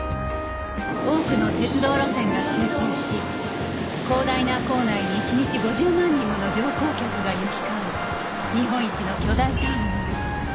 多くの鉄道路線が集中し広大な構内に一日５０万人もの乗降客が行き交う日本一の巨大ターミナル